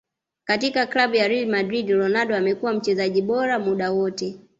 Katika club ya Real madrid Ronaldo amekuwa mchezaji bora muda wote